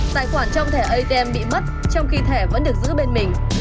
tài khoản trong thẻ atm bị mất trong khi thẻ vẫn được giữ bên mình